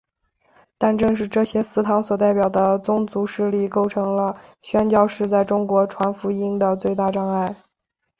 但正是这些祠堂所代表的宗族势力构成了宣教士在中国传福音的最大障碍。